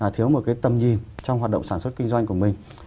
thiếu một tầm nhìn trong hoạt động sản xuất kinh doanh của mình